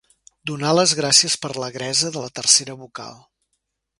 Donar les gràcies per l'agresa de la tercera vocal.